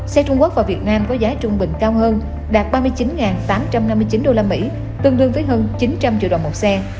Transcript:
xe trung quốc và việt nam có giá trung bình cao hơn đạt ba mươi chín tám trăm năm mươi chín usd tương đương với hơn chín trăm linh triệu đồng một xe